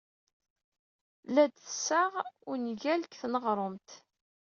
La d-tessaɣ angul seg tneɣrumt.